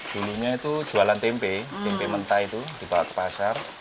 dulunya itu jualan tempe tempe mentah itu dibawa ke pasar